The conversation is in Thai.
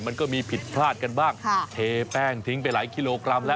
มันก็มีผิดพลาดกันบ้างเทแป้งทิ้งไปหลายกิโลกรัมแล้ว